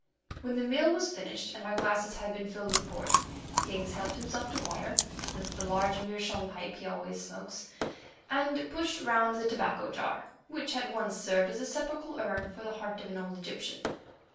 When the meal was finished and our glasses had been filled with port, Higgs helped himself to water, lit the large meerschaum pipe he always smokes, and pushed round the tobacco jar which had once served as a sepulchral urn for the heart of an old Egyptian.